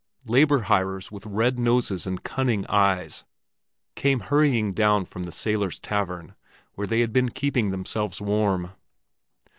Labor hirers with red noses and cunning eyes, came hurrying down from the sailors' tavern where they had been keeping themselves warm.